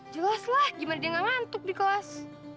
jelas lah gimana dia gak ngantuk di kelas